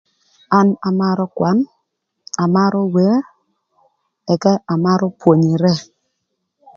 An amarö kwan, amarö wer, ëka amarö pwonyere.